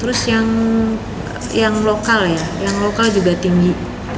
terus yang lokal ya yang lokal juga tinggi